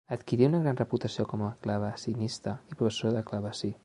Adquirí una gran reputació com a clavecinista i professora de clavecí.